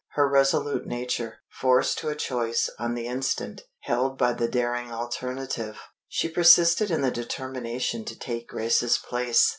Her resolute nature, forced to a choice on the instant, held by the daring alternative. She persisted in the determination to take Grace's place.